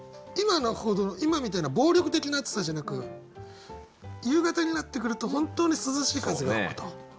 今みたいな暴力的な暑さじゃなく夕方になってくると本当に涼しい風が吹くと。